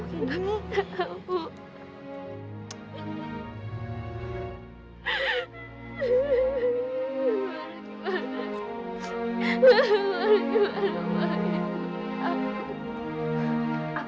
maik maik maik maik